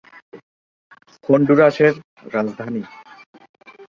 হন্ডুরাসের রাজধানী।